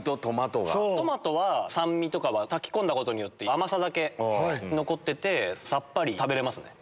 トマトは酸味とかは炊き込んだことによって甘さだけ残っててさっぱり食べれますね。